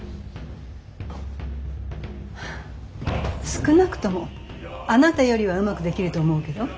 少なくともあなたよりはうまくできると思うけど。